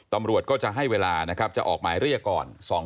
ตำรวจก็จะให้เวลานะครับจะออกหมายเรียกก่อน